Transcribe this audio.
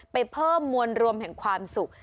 ไปเพิ่มมวลรวมแห่งความสุข